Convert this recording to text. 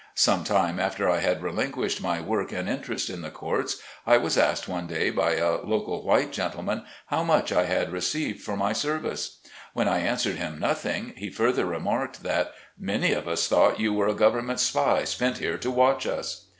Some time after I had relinquished my work and interest in the courts, I was asked one day by a local white gentleman, how much I had received for my service? When I answered him, nothing, he further remarked that "Many of us thought you were a government spy sent here to watch us."